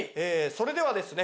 それではですね